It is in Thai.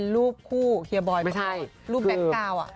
รูปแบคกาว